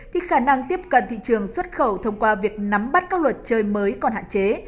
thì khả năng tiếp cận thị trường xuất khẩu thông qua việc nắm bắt các luật chơi mới còn hạn chế